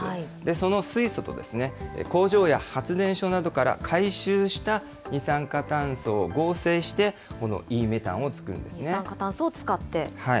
その水素と工場や発電所などから回収した二酸化炭素を合成して、二酸化炭素を使って。